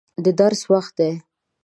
د درس وخت دی.